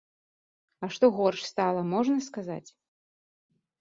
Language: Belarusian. А што горш стала, можна сказаць?